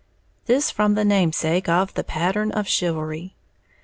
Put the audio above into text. This from the namesake of the Pattern of Chivalry!